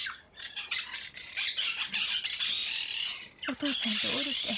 お父ちゃんとおるて。